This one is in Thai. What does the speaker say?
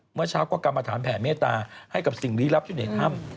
เมื่อเช้าก็กรรมฐานแผ่เมตตาให้กับสิ่งลี้ลับอยู่ในถ้ำ